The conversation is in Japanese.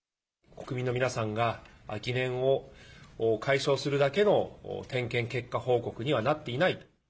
国民の皆さんが疑念を解消するだけの点検結果報告にはなっていな